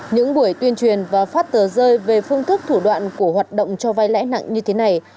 những buổi tuyên truyền và phát tờ rơi về phương thức thủ đoạn của hoạt động cho vai lãi nặng như thế này